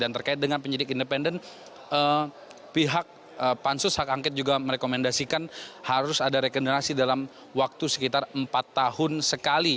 dan terkait dengan penyidik independen pihak pansus hak angket juga merekomendasikan harus ada regenerasi dalam waktu sekitar empat tahun sekali